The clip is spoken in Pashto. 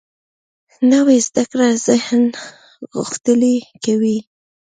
نوې زده کړه ذهن غښتلی کوي